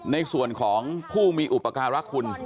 ในส่วนของผู้มีอุปการณ์รักฐุล